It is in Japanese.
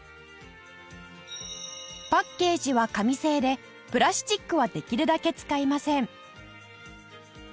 パッケージは紙製でプラスチックはできるだけ使いません